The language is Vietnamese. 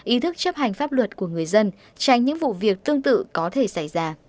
ý thức chấp hành pháp luật của người dân tránh những vụ việc tương tự có thể xảy ra